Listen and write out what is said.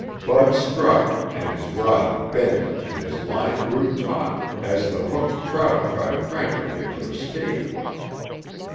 Bud struck, and his rod bent and his line grew taut as the hooked trout tried frantically to escape.